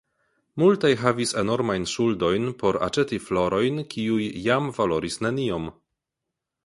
Multaj havis enormajn ŝuldojn por aĉeti florojn kiuj jam valoris neniom.